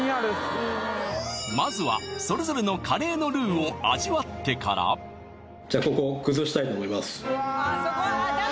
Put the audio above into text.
まずはそれぞれのカレーのルーを味わってからじゃあここ崩したいと思います